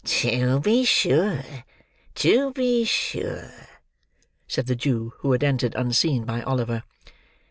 "To be sure, to be sure!" said the Jew, who had entered unseen by Oliver.